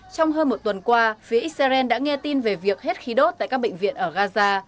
trong hơn một tuần qua phía israel đã nghe tin về việc hết khí đốt tại các bệnh viện ở gaza